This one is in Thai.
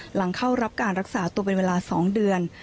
หลังเข้ารับการรักษาตัวเป็นเวลา๒เดือน